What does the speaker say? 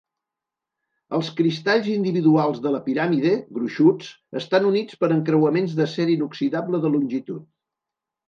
Els cristalls individuals de la piràmide, gruixuts, estan units per encreuaments d'acer inoxidable de longitud.